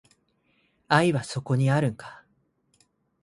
愛はそこにあるんか